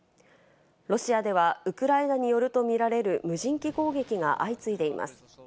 ロシアではウクライナによるとみられる無人機攻撃が相次いでいます。